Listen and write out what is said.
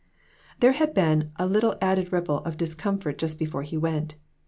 There had been a little added ripple of discom fort just before he went.